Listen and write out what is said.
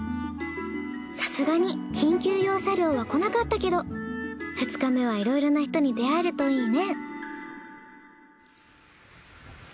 さすがに緊急用車両は来なかったけど２日目はいろいろな人に出会えるといいね。